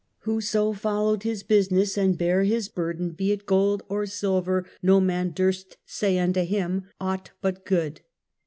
Whoso followed his business and bare his burden, be it gold or silver, no man durst say unto him aught but good."